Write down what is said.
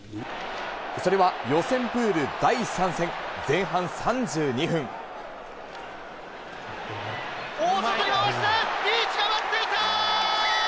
それは予選プール第３戦、大外に回して、リーチが待っていた！